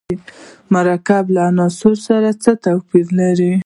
مرکب له عنصر سره څه توپیر لري.